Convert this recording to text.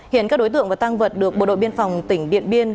hiện các đối tượng và tăng vật được bộ đội biên phòng tỉnh điện biên